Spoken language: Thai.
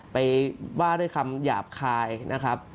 ไปว่าด้วยคำหยาบคายนะครับ